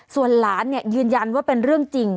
ส่วนหลานยืนยันว่าเป็นเรื่องจริง